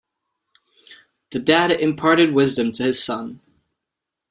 The dad imparted wisdom to his son.